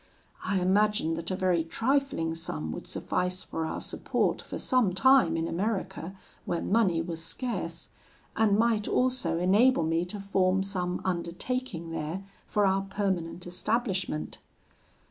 I imagined that a very trifling sum would suffice for our support for some time in America, where money was scarce, and might also enable me to form some undertaking there for our permanent establishment.